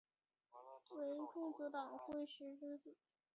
为种子岛惠时之子。